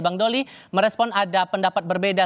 bang doli merespon ada pendapat berbeda